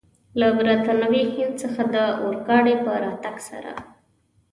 له برټانوي هند څخه د اورګاډي په راتګ سره.